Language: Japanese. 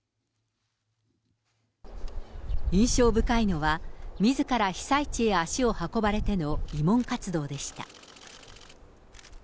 印象深いのは、みずから被災地へ足を運ばれての慰問活動でした。